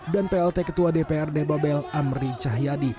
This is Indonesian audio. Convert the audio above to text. dan plt ketua dprd babel amri cahyadi